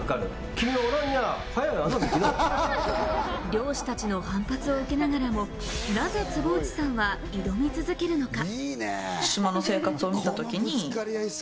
漁師たちの反発を受けながらもなぜ坪内さんは挑み続けるのか？